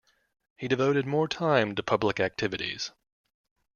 He devoted more time to public activities.